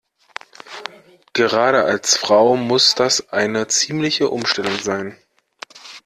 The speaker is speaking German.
Gerade als Frau muss das eine ziemliche Umstellung sein.